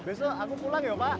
besok aku pulang ya pak